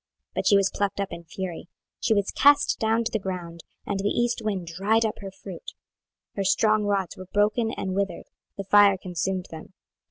26:019:012 But she was plucked up in fury, she was cast down to the ground, and the east wind dried up her fruit: her strong rods were broken and withered; the fire consumed them.